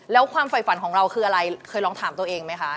แล้วความฝ่ายฝันของเราคืออะไรเคยลองถามตัวเองไหมคะ